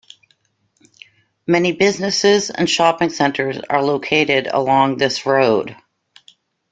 Many businesses and shopping centers are located along this road.